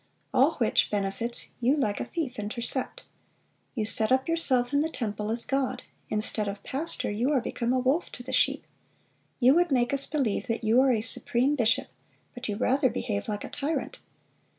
all which benefits you like a thief intercept. You set up yourself in the temple as God; instead of pastor, you are become a wolf to the sheep; ... you would make us believe you are a supreme bishop, but you rather behave like a tyrant....